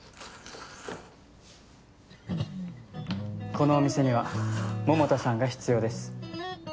このお店には桃田さんが必要です。